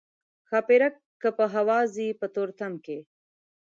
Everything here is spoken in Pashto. ښاپیرک که په هوا ځي په تورتم کې.